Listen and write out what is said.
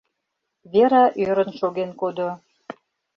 Вера ӧрын шоген кодо.